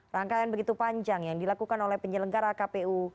rangkaian begitu panjang yang dilakukan oleh penyelenggara kpu